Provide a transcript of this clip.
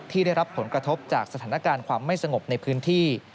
ได้รับผลกระทบจากสถานการณ์ความไม่สงบในพื้นที่